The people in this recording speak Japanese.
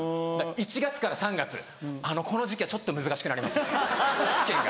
１月から３月この時期はちょっと難しくなります試験が。